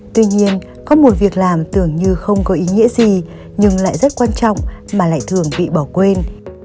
tuy nhiên có một việc làm tưởng như không có ý nghĩa gì nhưng lại rất quan trọng mà lại thường bị bỏ quên